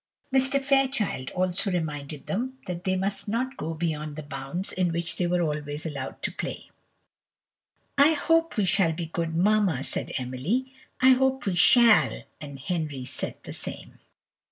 Mr. Fairchild also reminded them that they must not go beyond the bounds in which they were always allowed to play. "I hope we shall be good, mamma," said Emily, "I hope we shall!" And Henry said the same.